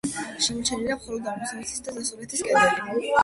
შემორჩენილია მხოლოდ აღმოსავლეთის და დასავლეთის კედელი.